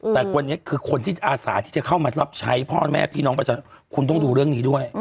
แต่วันนี้คนอาศาที่จะเข้ามาใช้พ่อแม่พี่น้องบรรชน์คุณต้องดูเรื่องนี้ด้วย